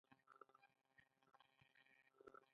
انسولین څه دنده لري؟